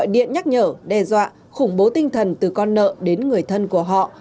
các đối tượng nhắc nhở đe dọa khủng bố tinh thần từ con nợ đến người thân của họ